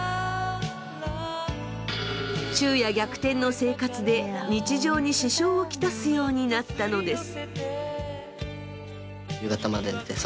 昼夜逆転の生活で日常に支障を来すようになったのです。